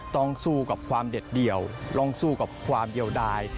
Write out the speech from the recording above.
ต้องสู้กับความเด็ดเดี่ยวต้องสู้กับความเดียวดาย